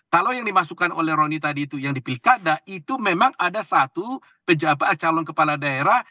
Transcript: kalau yang dimasukkan oleh roni tadi itu yang di pilkada itu memang ada satu calon kepala daerah